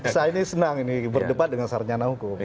saya ini senang ini berdebat dengan sarjana hukum